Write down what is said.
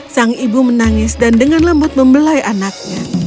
sang ibu menangis dan dengan lembut membelai anaknya